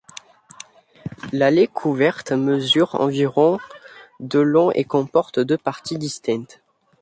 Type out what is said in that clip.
L'allée couverte mesure environ de long et comporte deux parties distinctes.